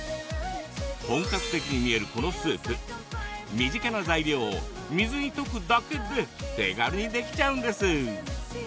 本格的に見えるこのスープ身近な材料を水に溶くだけで手軽にできちゃうんです。